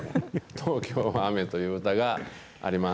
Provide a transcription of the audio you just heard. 東京は雨という歌があります。